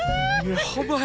やばい。